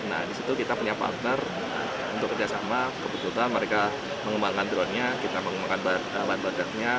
nah disitu kita punya partner untuk kerjasama kebetulan mereka mengembangkan dronenya kita mengembangkan bat batannya